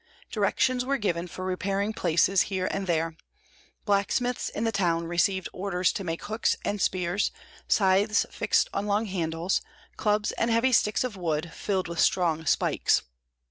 Directions were given for repairing places here and there; blacksmiths in the town received orders to make hooks and spears, scythes fixed on long handles, clubs and heavy sticks of wood filled with strong spikes.